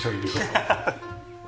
ハハハハ。